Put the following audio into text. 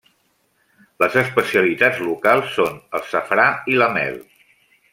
Les especialitats locals són el safrà i la mel.